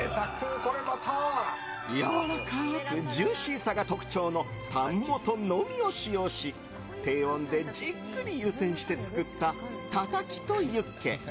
やわらかくジューシーさが特徴のタン元のみを使用し低温でじっくり湯煎して作ったタタキとユッケ。